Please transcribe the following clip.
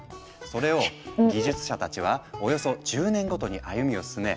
それを技術者たちはおよそ１０年ごとに歩みを進め